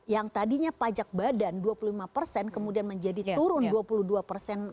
yang tadinya pajak badan dua puluh lima persen kemudian menjadi turun dua puluh dua persen